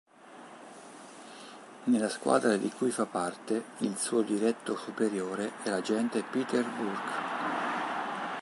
Nella squadra di cui fa parte il suo diretto superiore è l'agente Peter Burke.